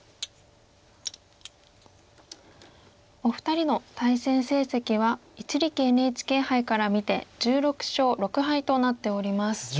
お二人の対戦成績は一力ＮＨＫ杯から見て１６勝６敗となっております。